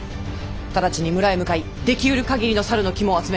直ちに村へ向かいできうる限りの猿の肝を集めよ。